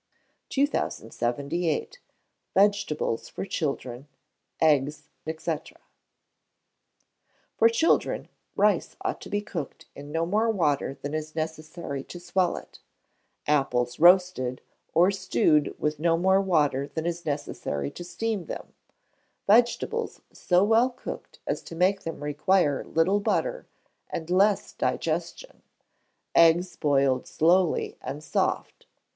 2078. Vegetables for Children. Eggs, &c. For children rice ought to be cooked in no more water than is necessary to swell it; apples roasted, or stewed with no more water than is necessary to steam them; vegetables so well cooked as to make them require little butter, and less digestion; eggs boiled slowly and soft.